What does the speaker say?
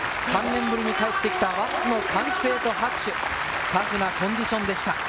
３年ぶりに帰ってきた歓声と拍手、タフなコンディションでした。